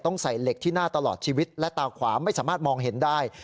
ใส่เหล็กที่หน้าตลอดชีวิตและตาขวาไม่สามารถมองเห็นได้